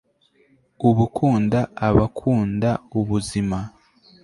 ubukunda, aba akunda ubuzima